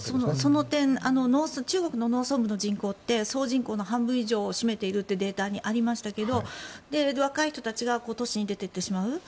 その点中国の農村部の人口って総人口の半分以上を占めているというデータがありましたが若い人たちが都市に出ていってしまう。